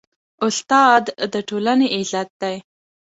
استاد د ټولنې عزت دی.